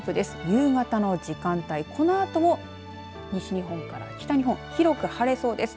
夕方の時間帯、このあと西日本から北日本、広く晴れそうです。